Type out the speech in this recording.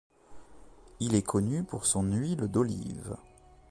Il est connu pour son huile d'olive.